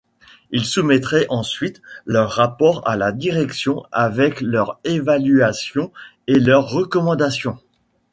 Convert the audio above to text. Ils soumettraient ensuite leur rapport à la direction avec leur évaluation et leurs recommandations.